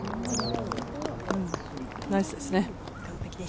ナイスですね。